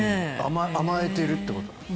甘えてるってことです。